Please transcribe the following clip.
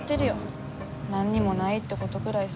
何にもないってことぐらいさ。